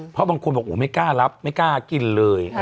เพราะบางคนบอกไม่กล้ารับไม่กล้ากินเลย